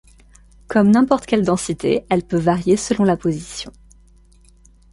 Comme n'importe quelle densité, elle peut varier selon la position.